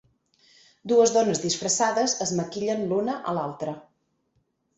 Dues dones disfressades es maquillen l'una a l'altra.